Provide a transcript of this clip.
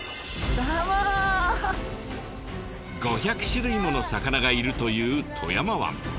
５００種類もの魚がいるという富山湾。